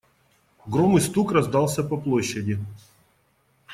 Гром и стук раздался по площади.